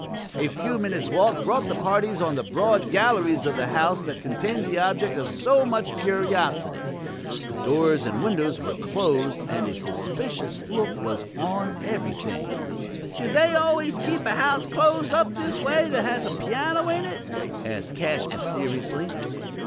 A few minutes' walk brought the parties on the broad galleries of the house that contained the object of so much curiosity. The doors and windows were closed, and a suspicious look was on everything. "Do they always keep a house closed up this way that has a piano in it?" asked Cash mysteriously.